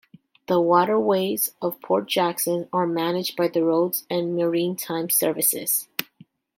The waterways of Port Jackson are managed by the Roads and Maritime Services.